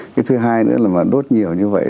cái thứ hai nữa là mà đốt nhiều như vậy